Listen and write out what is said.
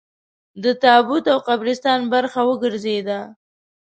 د تابوت او قبرستان برخه وګرځېده.